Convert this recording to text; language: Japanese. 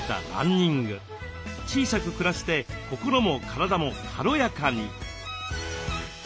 小さく暮らして心も体も軽やかに！